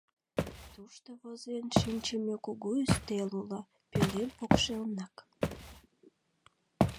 Тушто возен шинчыме кугу ӱстел уло, пӧлем покшелнак.